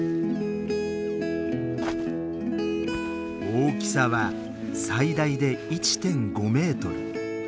大きさは最大で１．５メートル。